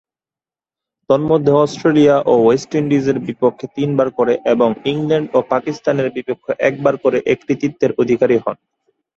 তন্মধ্যে অস্ট্রেলিয়া ও ওয়েস্ট ইন্ডিজের বিপক্ষে তিনবার করে এবং ইংল্যান্ড ও পাকিস্তানের বিপক্ষে একবার করে এ কৃতিত্বের অধিকারী হন।